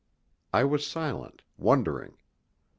I was silent, wondering.